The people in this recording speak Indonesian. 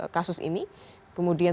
kasus ini kemudian